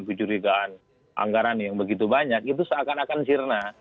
kecurigaan anggaran yang begitu banyak itu seakan akan sirna